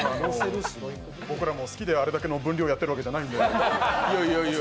僕らも好きであれだけの分量やってるわけじゃないんで。